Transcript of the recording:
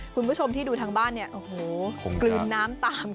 คุณผู้ชมที่ดูทางบ้านเนี่ยโอ้โหกลืนน้ำตาม